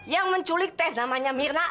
yang menculik teh namanya mirna